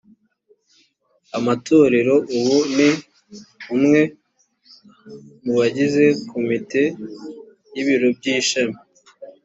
amatorero ubu ni umwe mu bagize komite y ibiro by ishami